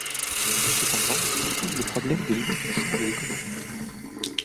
Cependant, se pose le problème des limites du champ de l'économie.